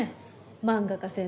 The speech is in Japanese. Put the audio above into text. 漫画家先生。